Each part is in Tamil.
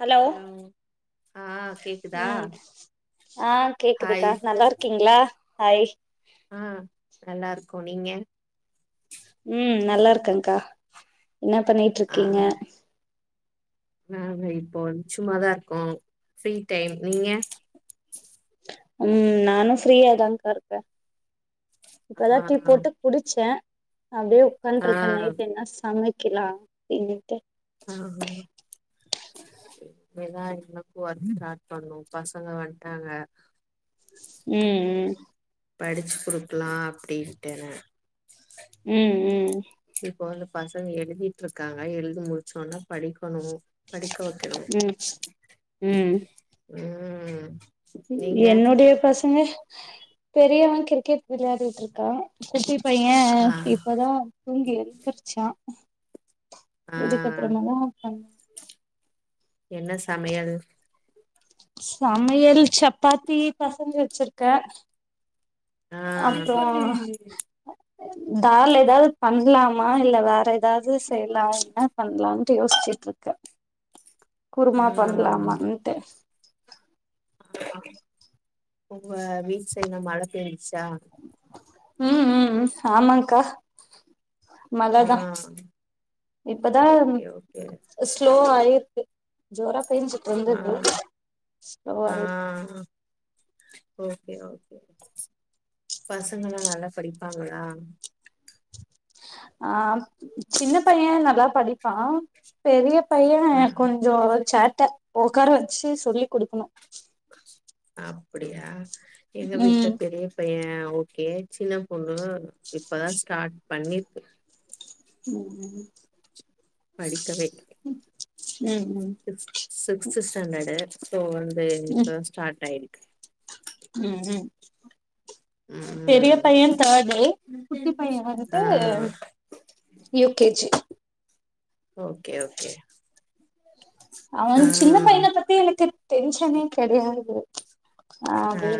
ஹலோ ஆ கேக்குதா ம் ஆ ஹாய் கேக்குதுக்கா நல்லா இருக்கீங்ளா ஹாய் ஆ நல்லாருக்கோ நீங்க ம் நல்லா இருக்கங்க்கா என்ன ஆ பண்ணிட்ருக்கீங்க நாங்க இப்போ வந்து சும்மாதா இருக்கோ ஃப்ரீ டைம் நீங்க ம் நானு ஃப்ரீயா தான்க்கா இருக்கே இப்பதா ஆ டீ போட்டு குடிச்சே அப்டியே ஆ உக்காண்ட்ருக்கே நைட் என்ன சமைக்கலா அப்டின்னுட்டு ஆ ஹா இனிமேதா எனக்கு ஒர்க்க ஸ்டார்ட் பண்ணு பசங்க வந்டாங்க ம் ம் படிச்சு குடுக்கலா அப்டின்ட்டு தா ம் ம் இப்ப வந்து பசங்க எழுதிட்ருக்காங்க எழுதி முட் சொன்னா படிக்கணு படிக்க வெக்கணு ம் ம் ம் ம் நீங்க என்னுடைய பசங்க பெரியவ கிரிக்கெட் விளையாடிட்ருக்கா குட்டி பைய ஆ இப்பதா தூங்கி எழ்ந்திரிச்சா ஆ இதுக்கப்பறமாதா பண் என்ன சமையல் சமையல் சப்பாத்தி பெசஞ்சு வெச்சிருக்கே ஆ தால் எதாது பண்லாமா இல்ல வேற எதாது செய்யலா என்ன பண்லான்ட்டு யோசிச்சுட்டு இருக்கே குருமா ஆ பண்ணலாமாண்டு உங்க வீட்டு சைட்லா மழ பேஞ்சா ம் ம் ம் ஆமாக்கா ஆ மழதா இப்பதா ஓகே ஓகே ஸ்லோ ஆயி க்கு ஜோரா பேஞ்சிட்டு ஆ இருந்துது ஸ்லோ ஆ ஆயிருக்கு ஓகே ஓகே பசங்கல்லா நல்லா படிப்பாங்களா ஆ சின்ன பைய நல்லா படிப்பா பெரிய பைய ஆ கொஞ் சோ சேட்ட உக்கார வெச்சு சொல்லி குடுக்கணு அப்பிடியா எங்க வீட்ல ம் பெரிய பைய ஓகே சின்ன பொண்ணு இப்பதா ஸ்டார்ட் பண்ணிருக்கு ம் ம் படிக்கவே ம் சி-சிக்ஸ்த் ஸ்டாண்டர்டு சோ வந்து ம் இப்பதா ஸ்டார்ட் ஆயிருக்கு ம் ம் பெரிய ம் பைய தேர்டு குட்டி பைய வந்துட்டு ஆ U K G okay okay அவ ஆ சின்ன பையன பத்தி எனக்கு டென்ஷனே கொடையாது ஆ அது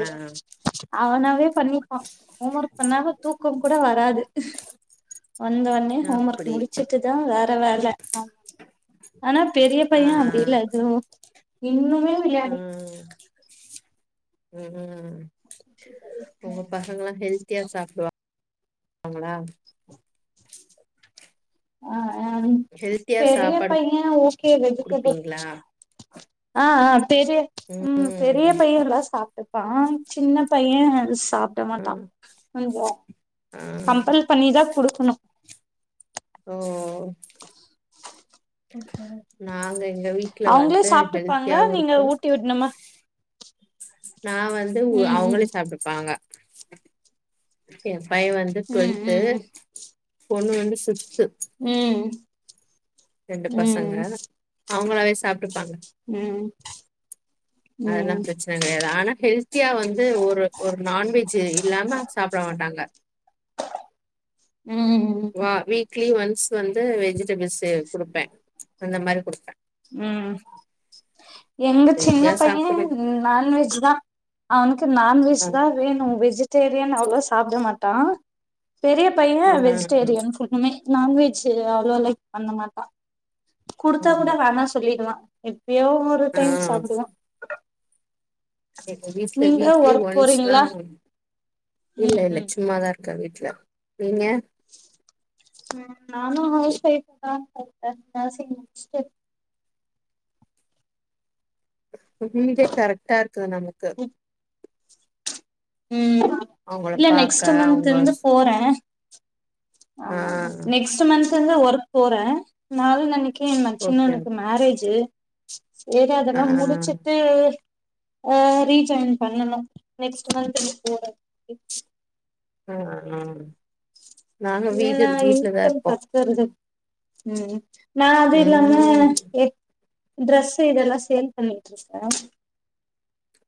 அவனாவே பண்ணிக்குவா ஹோம் ஒர்க் பண்ணாம தூக்க கூட வராது வந்தோனே ஹோம் ஒர்க் அப்டி முடிச்சுட்டு தா வேற வேல ஆனா பெரிய ஆ பைய அப்டில்ல அது இன்னுமே வெளாடி ம் ம் உங்க பசங்கல்லா ஹெல் த்தியா சாப்டுவாங்களா ஆ ஆ ஹெல்த்தியா பெரிய சாப்பாடு பைய ஓகே வெஜ்டபில் குடுப்பீங்களா ஆ ஆ பெரிய ம் பெரிய பை [unintelligible] சாப்ட்டுப்பா சின்ன பைய சாப் ட்டா ஆ மாட்டா கொஞ்சோ ஆ கம்பல் பண்ணி தா குடுக்கணு ஓ நாங்க எங்க வீட் அவங்களே சாப்ட்டுப்பாங்களா நீங்க ஊட்டி விட்ணுமா நா வந்து அவங்களே ம் சாப்ட்டுப்பாங்க ஏ பைய வந்து ம் டுவெல்து ம் பொண்ணு வந்து சிக்ஸ்த்து ம் ரெண்டு பசங்க ம் அவங்களாவே சாப்ட்டு பாங்க ம் ம் அதெல்லா ம் பிரச்ச சன கெடையாது ஆனா ஹெல்த்தியா வந்து ஒரு ஒரு நான்வெஜ் இல்லாம சாப்ட மாட்டாங்க ம் ம் வா வீக்லி ஒன்ஸ் வந்து வெஜிடபிள்ஸ்சு குடுப்பே அந்த மாரி குடுப்பே ம் எங்க ஹெல்த்தியா சின்ன பைய சாப்புடு நான்வெஜ் தா அவனுக்கு ஆ நான்வெஜ் தா வேணு வெஜிடேரியன் அவ்ளோ சாப்ட மாட்டா பெரிய பைய ஆ வெஜிடேரியன் ஃபுல்லுமே நான்வெஜ் அவ்ளோ லைக் பண்ண மாட்டா குடுத்தா கூட ஆமா வேணா சொல்லிடுவா எப்பியோ ஒரு ஆ டைம் சாப்டுவா எங்க வீட்ல நீங்க வீக்லி ஒர்க் ஒன்ஸ்தா போறீங்களா இல்ல ம் இல்ல ம் சும்மாதா இருக் க வீட்ல நீங்க ம் நானு ஹவுஸ் ஒய்ஃப்ங்க இருக்கே நர்சிங் முடிஸ்ட்டு இப்போ வீடே கரக்டா இருக்குது நமக்கு ம் அவங்கள இல்ல பாக்க நெக்ஸ்ட்டு மந்த் அவங்க இந்து போறே ஆ நெக்ஸ்ட்டு மந்த்லந்து ஒர்க் போறே நாலுநானி கி ஓகே மச்சினனுக்கு ஓகே மேரேஜீ சேரி ஆ அதல்லா முடிச்சிட்டு அ ரீஜாயின் பண்ணணு நெக்ஸ்ட் மந்த்துலந்து போறே [inaudible] அ அ நாங்க வீடு வீட்லதா இருப்போ சேரி சேரி ம் நா வந்து இது இல்லாம ம் ட்ரெஸு இதெல்லா சேல் பண்ணிட்டு இருக்கே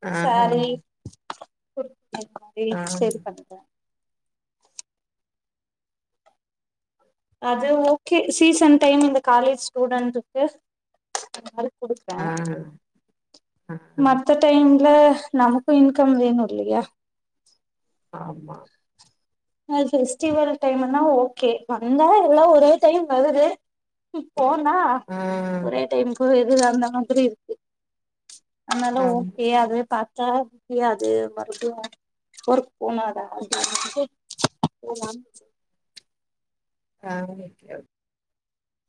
ஆ சாரி ஆ குர்த்தா மாரி சேல் ஆ பண்றே அது ஓகே சீசன் டைம்ல இந்த காலேஜ் ஸ்டுடென்ட்டுக்கு குடுப்பே ஆ மத் த டைம்ல நமக்கு இன்கம் வேணு இல்லையா ஆமா ஆ ஃபெஸ்டிவல் டைமுன்னா ஓகே வந்தா எல்லா ஒரே டைம் வருது போனா ஆ ஒரே டைம் போயிருதில்ல அந்த மாதிரி அதனால ஆமா ஓகே அதுவே பா த்தா முடியாது மறுபடியு ஒர்க் போனாதா அப்டினு போலான்னு ஆ ஓகே ஓ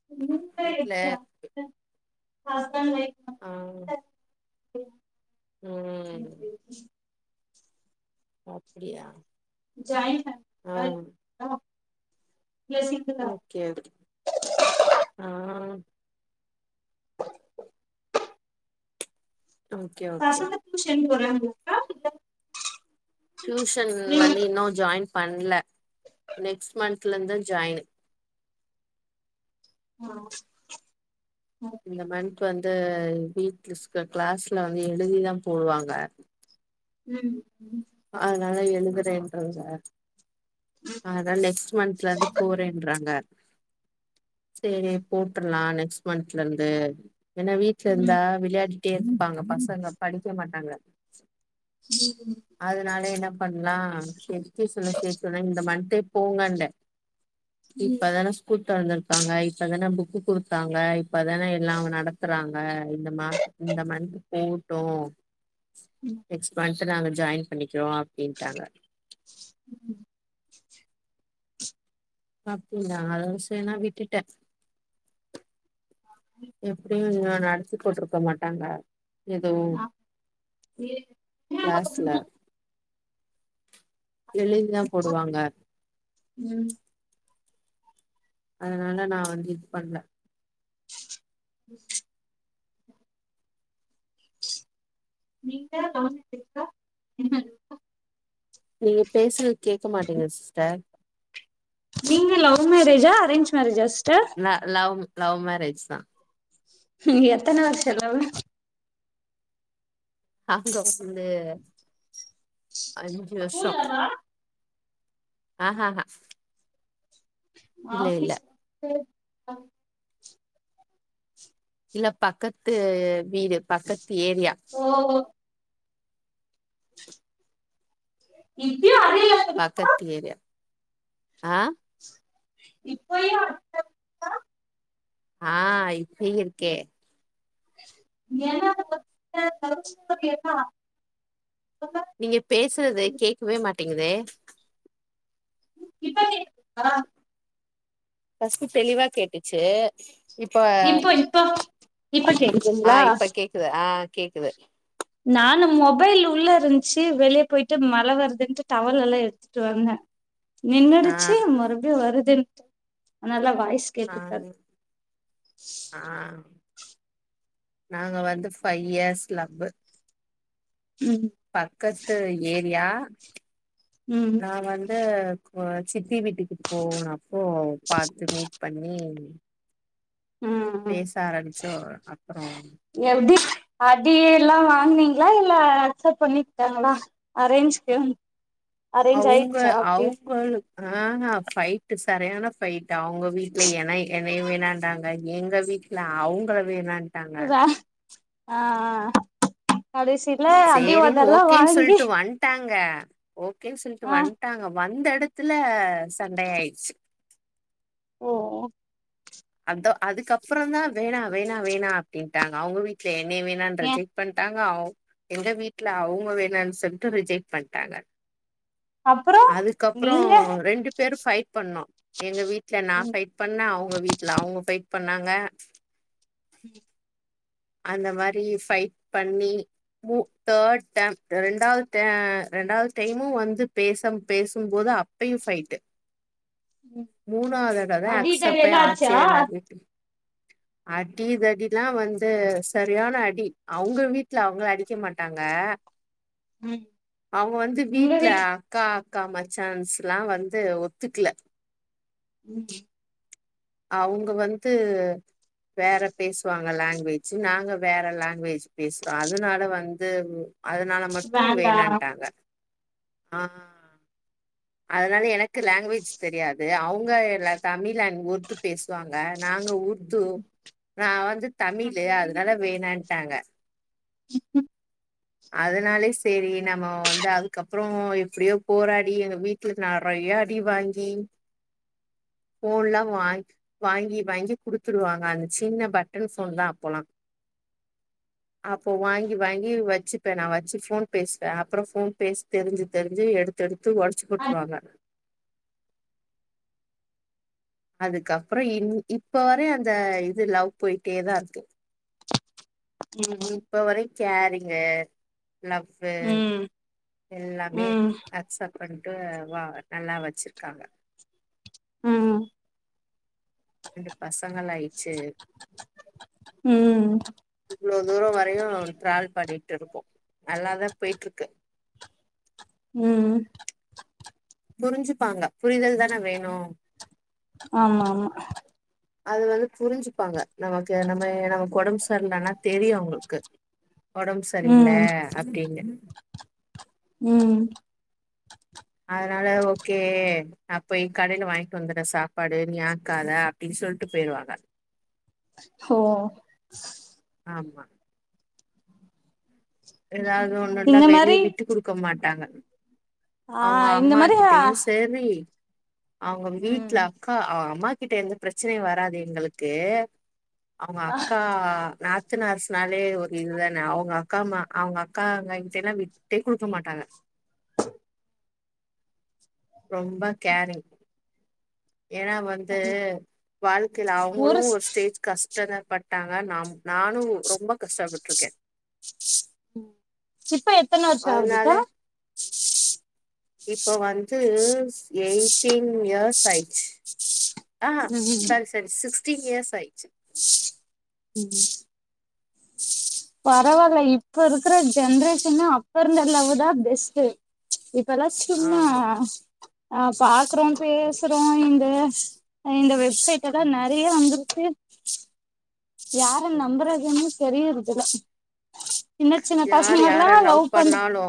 [unintelligible] ஆ ம் அப்டியா ஜாயின் ஆ பண்ண [inaudible] ஓகே அது ஆ ஓகே ஓகே [inaudible] டியூஷன் இல்ல வந்து இன்னு ஜாயின் பண்ல நெக்ஸ்ட் மந்த்லந்து ஜாயின் ஓ இந்த மன்த் வந்து வீட்ல ஸ கிளாஸ்ல வந்து எழுதிதா போடுவாங்க ம் ம் அதுனால எழுதுறேன்றாங்க அதா நெக்ஸ்ட் மந்த்ல இருந்து போறேன்றாங்க சேரி போட்ர்லா நெக்ஸ்ட் மந்த்லருந்து ஏனா வீட்ல இருந்தா ம் விளையாடிட்டே இருப்பாங்க பசங்க படிக்க மாட்டாங்க ம் அதனால என்ன பண்லா செரி டூசன்ல சேத்திறே இந்த மண்த்தே போங்கண்டே இப்பதான ஸ்கூல் தொரந்திருக்காங்க இப்பதான புக்கு குடுத்தாங்க இப்பதான எல்லா நடத்துறாங்க இந்த மா இந்த மன்த்து போகட்டு ம் நெக்ஸ்ட் மந்த் நாங்க ஜாயின் பண்ணிக்கிறோ அப்படின்ட்டாங்க ம் அப்டியா அதோட செரி நா விட்டுட்டே எப்டியு இன்னு நடத்தி போட்ருக்க மாட்டாங்க எதுவு ஆ கிளாஸ்ல எளின்தா போடுவாங்க ம் அதனால நா வந்து இது பண்ல யுஸ் நீங்க நாலு செக்கா என்னது நீங்க பேசுறது கேக்க மாட்டேங்குது சிஸ்டர் நீங்க லவ் மேரேஜா அரேஞ்ச் மேரேஜா சிஸ்ட்ர் நா லவ் லவ் மேரேஜ் தா எத்தன வருஷ லவ்வு [inaudible] ந்து அஞ்சு வருஷொ ஸ்கூல்லவா ஆஹஹ ஆஃபிஸ் கு இல்ல பக்கத்து வீடு பக்கத்து ஏரியா ஓ இப்ப அதே மாரி பக்கத்து ஏரியா ஆ இப்பையு ஆ இப்பையு இருக்கே என்னது [inaudible] என்னா சொல்லு நீங்க பேசுறது கேக்கவே மாட்டிங்குது இப்ப கேக்குதா ஃபஸ்ட்டு தெளிவா கேட்டுச்சு இப்பா இப்போ இப்போ இப்ப ஆ கேக்குதுங்களா இப்ப கேக்குது ஆ கேக்குது நானு மொபைல் உள்ள இருந்ச்சு வெளியே போயிட்டு மழ வருதுன்ட்டு டவல் எல்லா எடுத் துட்டு வந்தே ஆ நின்னுடிச்சு மறுபடியு வருதுன்டு அனாலதா வாய்ஸ் கேட்டிருக்காது ஆங்க ஆ நாங்கள் வந்து ஃபைவ் இயர்ஸ் லந்து ம் பக்கத்து ஏரியா ம் நா வந்து இப்ப சித்தி வீட்டுக்கு போனப்போ பாத்து மீட் பண்ணி ம் ம் பேச ஆரம்பிச்சோ அப்புறோ எப்டி அடி எல்லா வாங்னீங்களா இல்ல அக்சப்ட் பண்ணிக்கிட்டாங்களா அரேஞ்சுகு அவுங்க அவுங்களு ஆஹ்ஹ ஃபைட்டு சரியான ஃபைட் அவங்க வீட்ல என்னை என்னைய வேணாண்றாங்க எங்க வீட்டுல அவங்கள வேணான் வாஆ ஆ கடைசியில அடி ஒதல்லா வாங்கி டாங்க ஓகேனு சொல்லிட்டு ஆ வந்ட்டாங்க வந்த எடத்துல சண்ட ஆயிடுச்சு ஓ அதோ அதுக்கப்புற தா வேணா வேணா வேணா அப்டின்ட்டாங்க அவங்க வீட்ல என்னய வேணானு ஏ ரிஜெக் பண்ட்டாங்க அவு எங்க வீட்டுல அவங்க வேணான் சொல்ட்டு ரிஜெக்ட் பண்ட்டாங்க அப்புறோ அதுக்கப்புறோ நீங்க ரெண்டு பேரு ஃபைட் பண்ணோ எங்க வீட்டு்ல நா ம் ஃபைட் பண்ண அவ்ங்க வீட்ல அவ்ங்க ஃபைட் பண்ணாங்க உம் அந்த மாரி ஃபைட் பண்ணி உ தேர்ட் டைம் ரெண்டாவது ட ரெண்டாவது டைமு வந்து பேச பேசும்போது அப் அப்பயு ஃபைட் ம் மூணாவதடவ அடி தடி அக்சப்பே எல்லா ஆச்சா ஆச்சே எல்லாரு ஹாப்பி அடிதடிலா வந்து சரியான அடி அவ்ங்க வீட்ல அவ்ங்கள அடிக்க மாட்டாங்க ம் அவ்ங்க வந்து உங்க வீட்ல வீட் அக்கா அக்கா மச்சான்ஸ்லா வந்து ஒத்துக்ல ம் ஹூ அவ்ங்க வந்து வேற பேசுவாங்க லங்குவேஜ்ஜூ நாங்க வேற லங்குவேஜ் பேசுறொ அதனால வந்து அதனால மட்டு வேண்டா வேணாண்ட்டாங்க ஆ அதனால எனக்கு லங்குவேஜ் தெரியாது அவங்க ல தமிழ் அன்ட் உர்து பேசுவாங்க நாங்க உர்து நா வந்து தமிழு அதனால வேணான்ட்டாங்க எப்ப அதனாலே செரி நம்ம வந்து அதுக்கப்றோ எப்டியோ போராடி எங்க வீட் ட்ல நறைய அடி வாங்கி போன்ல்லா வாங் வாங்கீ வாங்கி குடுத்துடுவாங்க அந்த சின்ன பட்டன் போன்தா அப்போலா அப்போ வாங்கி வாங்கி வச்சுப்பே நா வச்சு போன் பேசுவே அப்புறம் போன் பேச தெரிஞ்சு தெரிஞ்சு எடு எடுத்து ஒடச்சி ம் போட்ருவாங்க அதுக்கப்றோ இன் இப்ப வர அந்த இது லவ் பொயிட்டேதா இருக்கு இப்ப வரையு கேரிங்கு லவ் வ்வு ம் எல்லாமே ம் அக்சப்ட் பண்ட்டு வா நல்லா வச்சிருக்காங்க ம் ண்டு பசங்களாயிச்சு ம் இவ்ளோ தூரொ வரையு டிராவல் பன்னிட்டு இருப்போ நல்லாதா போயிட்டு இருக்கு ம் புரிஞ்சுப்பாங்க புரிதல் தான வேணு ஆமா ஆமா அது வந்து புரிஞ்சுப்பாங்க நமக்கு நம்ம நமக் ஒடம்புஸ் ரியிலனா தெரியு அவ்ங்களுக்கு ஒடம் சரியில்ல ம் அப்டினு ம் அதனால ஓகே நா போய் கடைல வாய்ன்டு வந்துற சாப்பாடு நீ ஆக்காத அப்டின் சொல்ட்டு போயிருவாங்க ஓ ஆமா எதாவது ஒண்ணுனா இந்த வெளிய மாரி விட்டு குடுக்க மாட்டாங்க ஆ அவ்ங்க இந்த அம்மா மாரி ஆ கிட்டயு செரி அவ்ங்க வீட்ல ம் அக்கா அம்மா கிட்ட எந்த பிரச்சனையு வராது எங்களுக்கு அவங்க அக்கா நாத்தனார்சுனாலே ஒரு இதுதானே அவங்க அக்கா மா அவங்க அக்கா அண்ணகிட்டலா விட்டே குடுக்க மாட்டாங்க ரொம்ப கேரிங் ஏனா வந் வந்து வாழ்க்கைல அவ்ங்களு ஒரு ஸ்டேஜ் கஷ் றத பட்டாங்க நாம் நானு ரொம்ப கஷ்டப்பட்ருக்கே [unintelligible] இப்ப எத்தன வருஷோ ஆகுதுக்கா அதுனாலே இப்ப வந்து எய்ட்டீன் இயர்ஸ் ஆயிச்சு ஆஹா சாரி சாரி சிக்ஸ்டீன் இயர்ஸ் ஆயிச்சு [inaudible] பரவால்ல இப்ப இருக்கிற ஜென்ரேஷன்னா அப்ப இருந்த அது அவு தா பெஸ்ட்டு இப்பலா சும்மா ஆமா ஆ பாக்குறோ பேசுறோ அங்குற இந்த வெப்சைட் எல்லா ம் நெறய வந்துருச்சி யார ம். நம்பறதுனே தெரியுரதுல்ல சின்ன சின்ன யார் யார பசங்கலா லவ் பன்ர பண்ணாலு